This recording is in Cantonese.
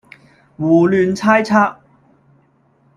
胡亂猜測